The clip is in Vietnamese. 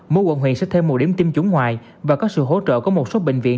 mỗi quận huyện sẽ thêm một điểm tiêm chủng ngoài và có sự hỗ trợ của một số bệnh viện